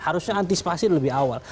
harusnya antisipasi lebih awal